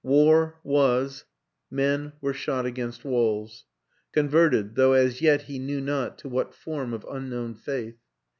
War was: men were shot against walls. Converted, though as yet he knew not to what form of unknown faith.